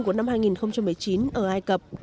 của năm hai nghìn một mươi chín ở ai cập